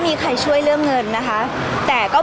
พี่ตอบได้แค่นี้จริงค่ะ